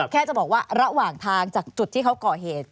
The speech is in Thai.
แค่จะบอกว่าระหว่างทางจากจุดที่เขาก่อเหตุ